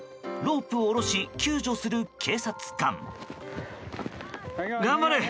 ロープを下ろし救助する警察官。